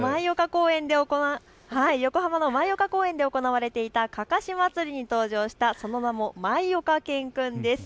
横浜の舞岡公園で行われていた案山子まつりに登場したその名も、まいおか犬くんです。